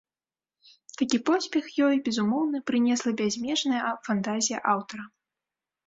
Такі поспех ёй, безумоўна, прынесла бязмежная фантазія аўтара.